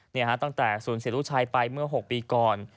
เนี่ยตั้งแต่สู่อศรีรุชายไปเมื่อหกปีก่อน